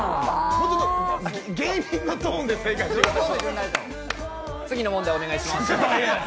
もうちょっと芸人のトーンで正解してください。